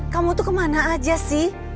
kamu tuh kemana aja sih